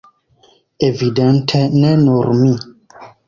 Evidente, ne nur mi.